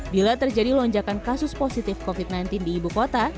bila terjadi lonjakan kasus positif covid sembilan belas di ibu kota